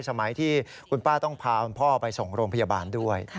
สมัยที่คุณป้าต้องพาคุณพ่อไปส่งโรงพยาบาลด้วย